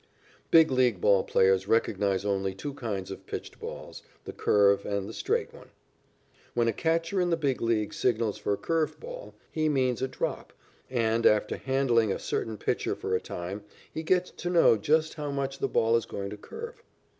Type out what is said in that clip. Big League ball players recognize only two kinds of pitched balls the curve and the straight one. When a catcher in the Big League signals for a curved ball, he means a drop, and, after handling a certain pitcher for a time, he gets to know just how much the ball is going to curve.